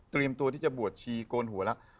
ตัวที่จะบวชชีโกนหัวแล้ว